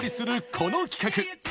この企画。